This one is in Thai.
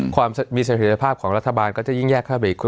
ความมีเสถียรภาพของรัฐบาลก็จะยิ่งแยกเข้าไปอีก